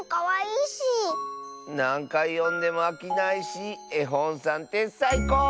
なんかいよんでもあきないしえほんさんってさいこう！